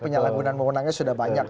penyalahgunaan mohonannya sudah banyak